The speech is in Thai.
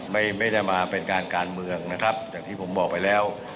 ไม่ได้มาเป็นการการเมืองนะครับอย่างที่ผมบอกไปแล้ว